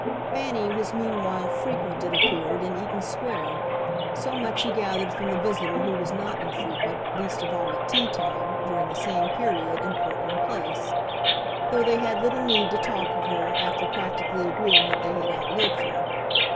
Fanny was meanwhile frequent, it appeared, in Eaton Square; so much he gathered from the visitor who was not infrequent, least of all at tea time, during the same period, in Portland Place; though they had little need to talk of her after practically agreeing that they had outlived her.